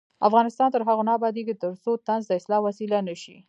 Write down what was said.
افغانستان تر هغو نه ابادیږي، ترڅو طنز د اصلاح وسیله نشي.